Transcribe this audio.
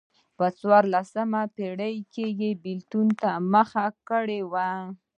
دوی په څوارلسمه پېړۍ کې بېلتون ته مخه کړې وه.